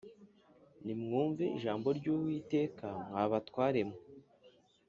Nimwumve ijambo ry’Uwiteka, mwa batwaremwe